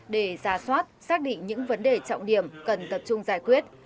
để ra soát xác định những vấn đề trọng điểm cần tập trung giải quyết